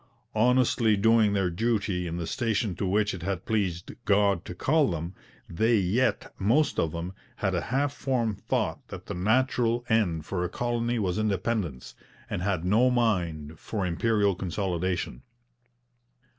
Honestly doing their duty in the station to which it had pleased God to call them, they yet, most of them, had a half formed thought that the natural end for a colony was independence, and had no mind for Imperial consolidation.